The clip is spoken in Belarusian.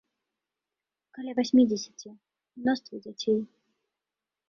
Каля васьмідзесяці, мноства дзяцей.